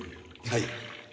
はい。